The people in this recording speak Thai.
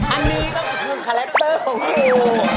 อันนี้ก็คือคาแรคเตอร์ของงู